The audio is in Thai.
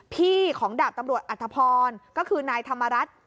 พี่ของดาบตำรวจอัธพรก็คือนายธรรมรัฐ